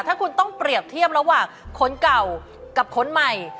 ถ้าคุณต้องเปรียบเทียบระหว่างคนเก่ากับคนใหม่